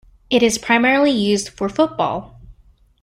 It is primarily used for football.